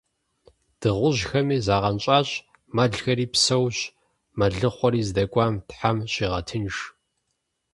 Дыгъужьхэми загъэнщӏащ, мэлхэри псэущ, мэлыхъуэри здэкӏуам Тхьэм щигъэтынш.